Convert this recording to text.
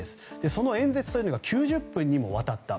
その演説というのが９０分にもわたった。